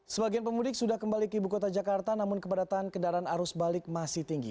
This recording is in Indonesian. sebagian pemudik sudah kembali ke ibu kota jakarta namun kepadatan kendaraan arus balik masih tinggi